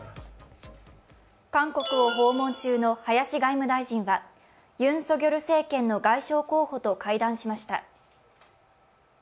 韓国を訪問中の林外務大臣はユン・ソギョル政権の外相候補と会談しました。